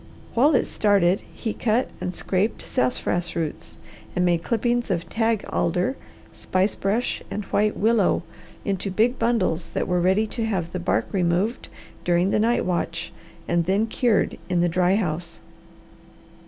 While it started he cut and scraped sassafras roots, and made clippings of tag alder, spice brush and white willow into big bundles that were ready to have the bark removed during the night watch, and then cured in the dry house.